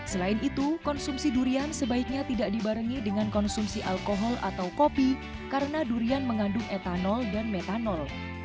selain itu konsumsi durian sebaiknya tidak dibarengi dengan konsumsi alkohol atau kopi karena durian mengandung etanol dan metanol